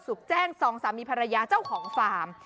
แจ้งสองสามีภรรยาเจ้าของฟาร์ม